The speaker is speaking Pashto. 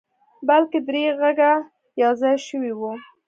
بلکې درې غږه يو ځای شوي وو.